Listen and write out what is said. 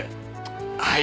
はい。